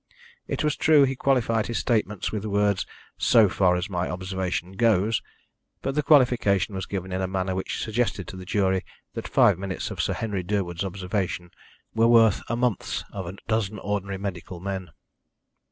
It was true he qualified his statements with the words "so far as my observation goes," but the qualification was given in a manner which suggested to the jury that five minutes of Sir Henry Durwood's observation were worth a month's of a dozen ordinary medical men.